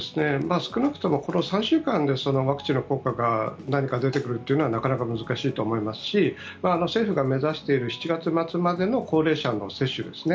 少なくともこの３週間でワクチンの効果が何か出てくるというのはなかなか難しいと思いますし政府が目指している７月末までの高齢者の接種ですね。